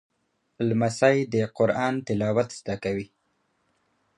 لمسی د قرآن تلاوت زده کوي.